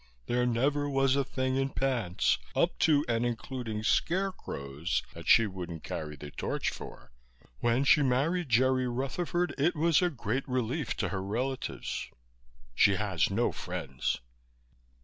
There never was a thing in pants, up to and including scarecrows, that she wouldn't carry the torch for. When she married Jerry Rutherford it was a great relief to her relatives. She had no friends."